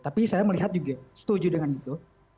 tapi saya melihat juga setuju dengan itu